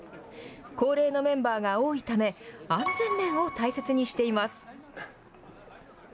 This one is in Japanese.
高齢のメンバーが多いため、安全面を大切にしています。